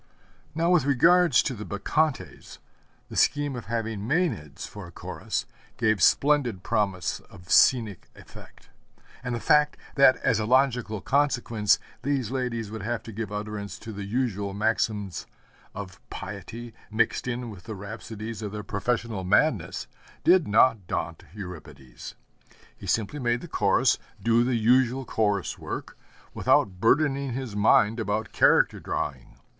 Now with regard to the Bacchantes the scheme of having Mænads for a Chorus gave splendid promise of scenic effect; and the fact that, as a logical consequence, these ladies would have to give utterance to the usual maxims of piety, mixed in with the rhapsodies of their professional madness, did not daunt Euripides. He simply makes the Chorus do the usual chorus work, without burdening his mind about character drawing.